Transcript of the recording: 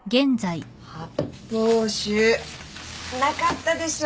発泡酒なかったでしょ？